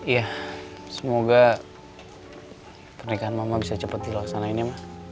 iya semoga pernikahan mama bisa cepet dilaksanain ya ma